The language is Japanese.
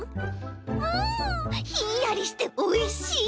うんひんやりしておいしい。